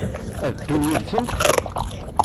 Ad ddun yid-sent?